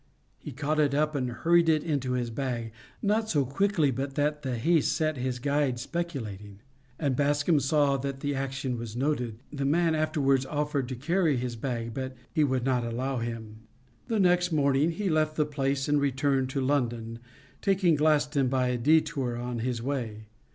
He caught it up and hurried it into his bag not so quickly but that the haste set his guide speculating. And Bascombe saw that the action was noted. The man afterwards offered to carry his bag, but he would not allow him. The next morning he left the place and returned to London, taking Glaston, by a detour, on his way.